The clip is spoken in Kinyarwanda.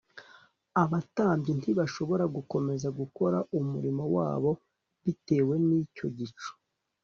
abatambyi ntibashobora gukomeza gukora umurimo wabo bitewe n'icyo gicu